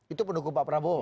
itu pendukung pak prabowo